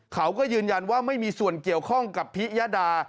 เขาก็ยืนยันว่าไม่มีส่วนเกี่ยวข้องกับพิยดา